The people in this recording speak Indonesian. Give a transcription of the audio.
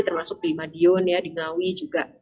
termasuk limadion ya dingawi juga